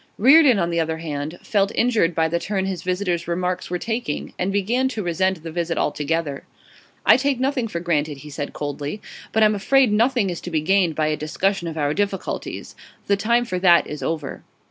Reardon, on the other hand, felt injured by the turn his visitor's remarks were taking, and began to resent the visit altogether. 'I take nothing for granted,' he said coldly. 'But I'm afraid nothing is to be gained by a discussion of our difficulties. The time for that is over.